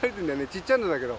ちっちゃいのだけど。